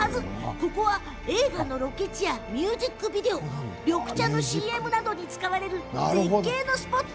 ここは映画のロケ地やミュージックビデオ緑茶のＣＭなどにも使われる絶景のスポット。